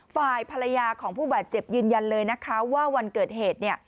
ฝ่ายภรรยาของผู้บาดเจ็บยืนยันเลยนะคะว่าวันเกิดเหตุ